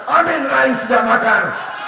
amin rais tidak makar